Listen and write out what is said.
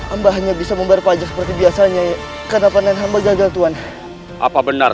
ambahnya bisa membawa pajak seperti biasanya ya kenapa nanti hamba gagal tuhan apa benar